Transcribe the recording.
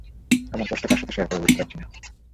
আমার কষ্ট কার সাথে শেয়ার করবো বুঝতে পারছি না।